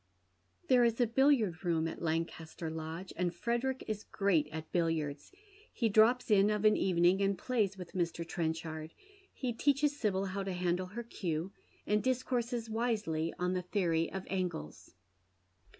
There is a billiard room at Lancaster Lodge, and Frederick is great at billiards. He drops in of an evening, and plays with Mr. Trenchard ; he teaches Sibyl how to handle her cue, and dis courses wisely on the theory of angles.